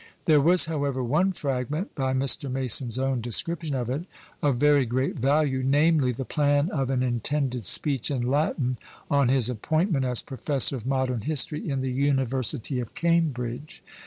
There was, however, one fragment, by Mr. Mason's own description of it, of very great value, namely, "The Plan of an intended Speech in Latin on his appointment as Professor of Modern History in the University of Cambridge."